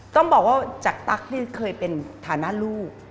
ต้องบอกว่าจากตั๊กนี่เคยเป็นฐานะลูก